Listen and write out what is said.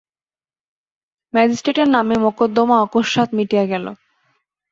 ম্যাজিস্ট্রেটের নামে মকদ্দমা অকস্মাৎ মিটিয়া গেল।